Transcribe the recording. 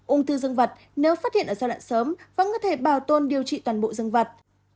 úng thư dân vật nếu phát hiện ở giai đoạn sớm vẫn có thể bảo tồn điều trị toàn bộ dân vật